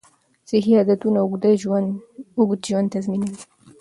صحي عادتونه اوږد ژوند تضمینوي.